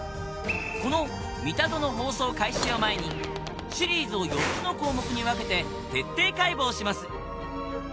この『ミタゾノ』放送開始を前にシリーズを４つの項目に分けて徹底解剖します